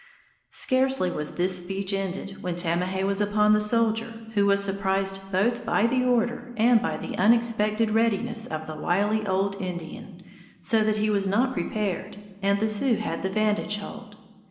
Scarcely was this speech ended when Tamahay was upon the soldier, who was surprised both by the order and by the unexpected readiness of the wily old Indian, so that he was not prepared, and the Sioux had the vantage hold.